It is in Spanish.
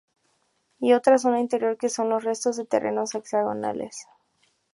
Y otra zona interior, que son el resto de terrenos hexagonales.